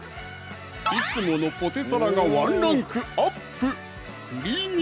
いつものポテサラがワンランクアップ